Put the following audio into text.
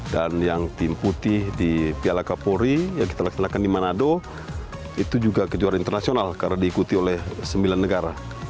dan yang tim putih di piala kapuri yang kita laksanakan di manado itu juga kejuaraan internasional karena diikuti oleh sembilan negara